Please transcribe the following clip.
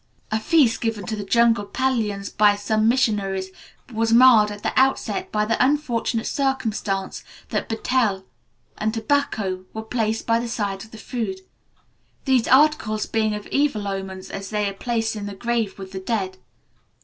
A feast given to the jungle Paliyans by some missionaries was marred at the outset by the unfortunate circumstance that betel and tobacco were placed by the side of the food, these articles being of evil omen as they are placed in the grave with the dead.